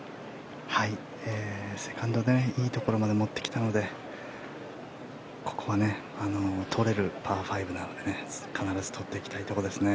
セカンドでいいところまで持ってきたのでここは取れるパー５なので必ず取っていきたいですね。